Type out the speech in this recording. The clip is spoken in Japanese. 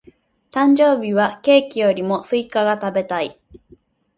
誕生日はケーキよりもスイカが食べたい。